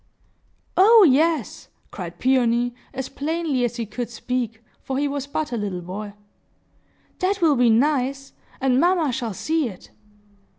"Oh yes!" cried Peony, as plainly as he could speak, for he was but a little boy. "That will be nice! And mamma shall see it!"